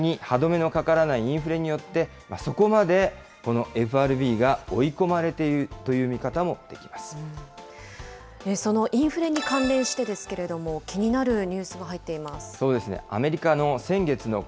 逆に、歯止めのかからないインフレによって、そこまでこのＦＲＢが追い込まれているという見方もそのインフレに関連してですけれども、気になるニュースが入っています。